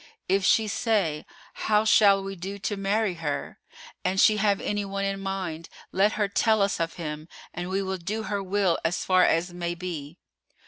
If she say, How shall we do to marry her? An she have any one in mind, let her tell us of him, and we will do her will as far as may be!